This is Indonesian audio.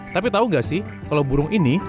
tapi tau gak sih kalau burung ini